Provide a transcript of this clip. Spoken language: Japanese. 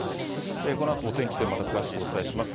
このあとお天気でまた詳しくお伝えします。